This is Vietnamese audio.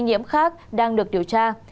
nhi nhiễm khác đang được điều tra